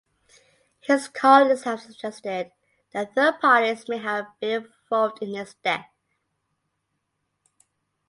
His colleagues have suggested that third parties may have been involved in his death.